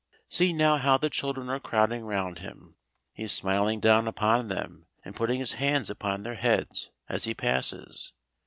See now how the children are crowding round him! He is smiling down upon them and putting his hands upon their heads as he passes.